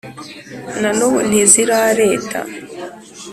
Na n’ubu ntizirareta